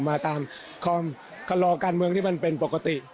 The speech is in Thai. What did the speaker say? มาตามคำลอการเมืองที่มันเป็นปกติ